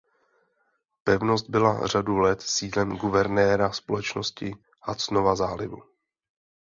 Pevnost byla řadu let sídlem guvernéra Společnosti Hudsonova zálivu.